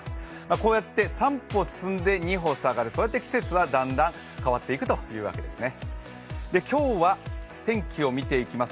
こうやって３歩進んで２歩下がる、そうやって季節はだんだん変わっていくというわけですね。